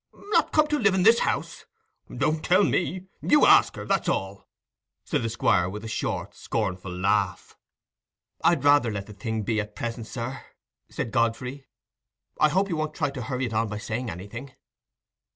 "Not come to live in this house? Don't tell me. You ask her, that's all," said the Squire, with a short, scornful laugh. "I'd rather let the thing be, at present, sir," said Godfrey. "I hope you won't try to hurry it on by saying anything."